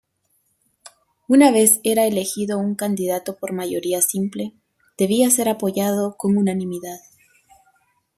Una vez era elegido un candidato por mayoría simple, debía ser apoyado con unanimidad.